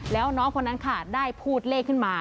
แล้วน้องคนนั้นค่ะได้พูดเลขขึ้นมา